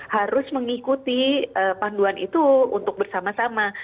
harus mengikuti panduan itu untuk bersama sama